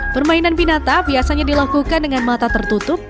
permainan pinata biasanya dilakukan dengan mata tertutup